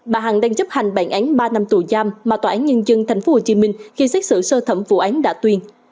bà hằng đang chấp hành bản án ba năm tù giam mà tòa án nhân dân tp hcm khi xét xử sơ thẩm vụ án đã tuyên